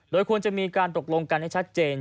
โดยควรจะมีการตกลงกันให้ชัดเจน